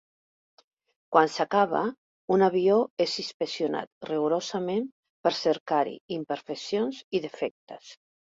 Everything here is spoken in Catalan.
Quan s'acaba, un avió és inspeccionat rigorosament per cercar-hi imperfeccions i defectes.